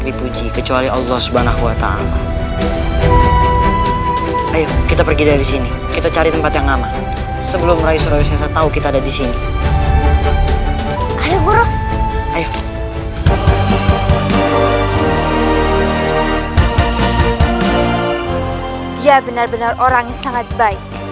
dia benar benar orang yang sangat baik